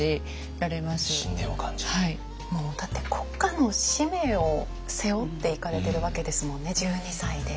もうだって国家の使命を背負って行かれてるわけですもんね１２歳で。